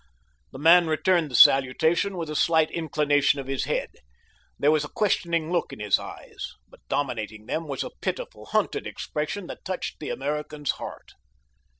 The man returned the salutation with a slight inclination of his head. There was a questioning look in his eyes; but dominating that was a pitiful, hunted expression that touched the American's heart.